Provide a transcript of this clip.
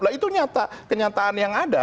nah itu kenyataan yang ada